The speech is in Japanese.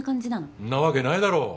そんなわけないだろ！